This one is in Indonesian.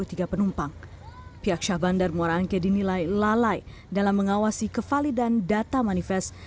pihak syah bandar muara angke dinilai lalai dalam mengawasi kevalidan data manifest